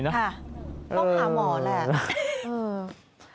ต้องหาหมอแหละ